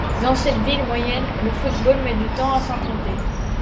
Dans cette ville moyenne, le football met du temps à s’implanter.